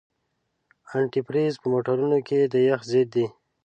انتي فریز په موټرونو کې د یخ ضد دی.